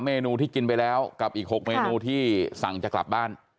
เมนูที่กินไปแล้วกับอีก๖เมนูที่สั่งจะกลับบ้าน